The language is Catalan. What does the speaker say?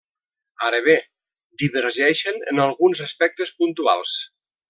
Ara bé divergeixen en alguns aspectes puntuals.